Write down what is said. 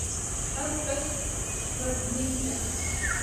اب رت بدلی ہے۔